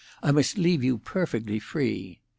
I must leave you perfectly free."